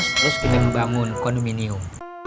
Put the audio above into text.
terus kita membangun kondominium